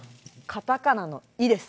カタカナの「イ」です。